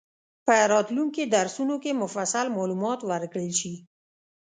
په راتلونکي درسونو کې مفصل معلومات ورکړل شي.